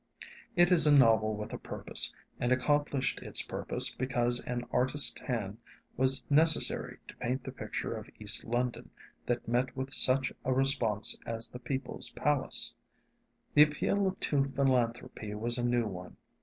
It is a novel with a purpose, and accomplished its purpose because an artist's hand was necessary to paint the picture of East London that met with such a response as the People's Palace. The appeal to philanthropy was a new one.